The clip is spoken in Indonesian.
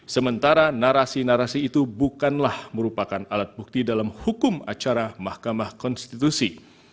sementara narasi narasi itu bukanlah merupakan alat bukti dalam hukum acara mahkamah konstitusi